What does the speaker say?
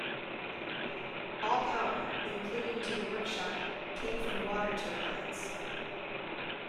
All power, including to the workshop, came from water turbines.